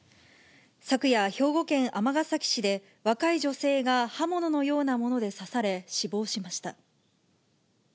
昨夜、兵庫県尼崎市で、若い女性が刃物のようなもので刺され、死亡しました。